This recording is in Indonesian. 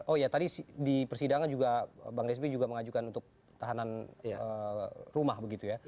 oh ya tadi di persidangan juga bang desmi juga mengajukan untuk tahanan rumah begitu ya